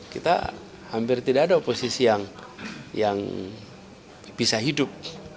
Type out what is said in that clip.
kita hampir tidak ada oposisi yang bisa hidup